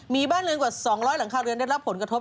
มีบ้านเรือนกว่า๒๐๐หลังคาเรือนได้รับผลกระทบ